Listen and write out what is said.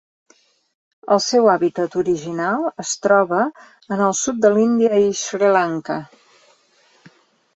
El seu hàbitat original es troba en el sud de l'Índia i Sri Lanka.